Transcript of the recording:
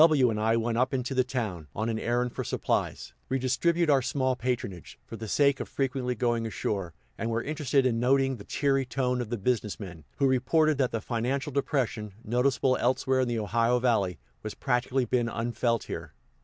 W and I went up into the town, on an errand for supplies, we distribute our small patronage, for the sake of frequently going ashore, and were interested in noting the cheery tone of the business men, who reported that the financial depression, noticeable elsewhere in the Ohio Valley, has practically been unfelt here.